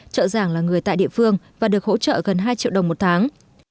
trợ giảng là người tại địa phương và được hỗ trợ gần hai triệu đồng một tháng